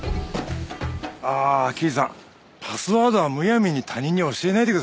ああ刑事さんパスワードはむやみに他人に教えないでくださいね。